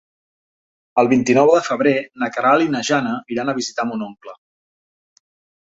El vint-i-nou de febrer na Queralt i na Jana iran a visitar mon oncle.